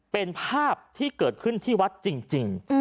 เป็นภาพที่เกิดขึ้นที่วัดจริง